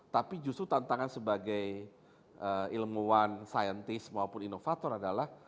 tapi justru tantangan sebagai ilmuwan saintis maupun inovator adalah